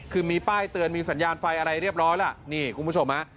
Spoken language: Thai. คือมีป้ายเตือนมีสัญญาณไฟอะไรเรียบร้อยแล้วนี่คุณผู้ชมฮะ